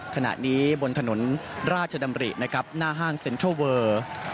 ขณะนี้บนถนนราชดำรินะครับหน้าห้างเซ็นทรัลเวอร์